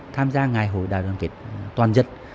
tham gia ngày hội đại đoàn kết toàn dân